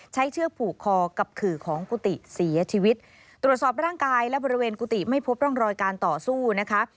เชือกผูกคอกับขื่อของกุฏิเสียชีวิตตรวจสอบร่างกายและบริเวณกุฏิไม่พบร่องรอยการต่อสู้นะคะ